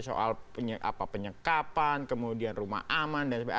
soal penyekapan kemudian rumah aman dan sebagainya